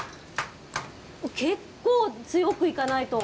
結構強くいかないと。